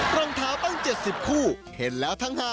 รองเท้าตั้ง๗๐คู่เห็นแล้วทั้ง๕